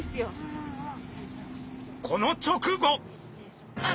この直後！